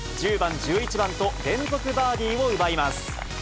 １０番、１１番と連続バーディーを奪います。